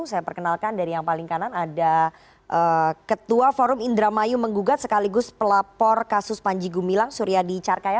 saya perkenalkan dari yang paling kanan ada ketua forum indra mayu menggugat sekaligus pelapor kasus panji gumilang suriadi carkaya